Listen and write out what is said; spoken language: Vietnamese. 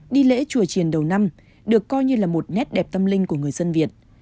đi lễ chùa triền đầu năm được coi như là một nét đẹp tâm linh của người dân việt